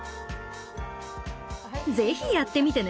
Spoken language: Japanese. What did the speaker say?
ぜひやってみてね！